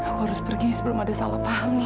hai harus pergi sebelum ada salah paham nih